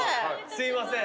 すいません。